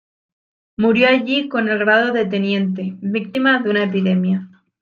Murió allí con el grado de teniente, víctima de una epidemia.